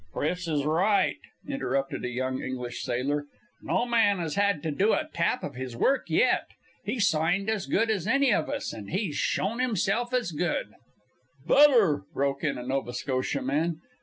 "Chris is right," interrupted a young English sailor. "No man has had to do a tap of his work yet. He signed as good as any of us, and he's shown himself as good " "Better!" broke in a Nova Scotia man.